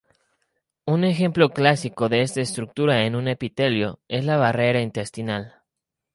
Un ejemplo clásico de esta estructura en un epitelio es la barrera intestinal.